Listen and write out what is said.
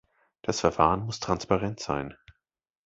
Das Verfahren muss transparent sein.